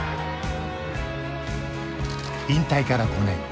引退から５年。